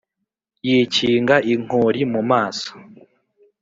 Yikinga inkori mu maso